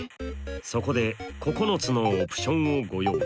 そこで９つのオプションをご用意。